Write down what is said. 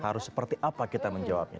harus seperti apa kita menjawabnya